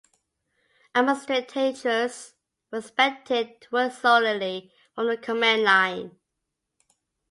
Administrators were expected to work solely from the command line.